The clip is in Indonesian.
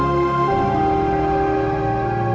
pertarung nanti apa apa